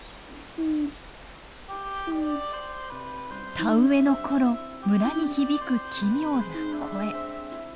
田植えの頃村に響く奇妙な声。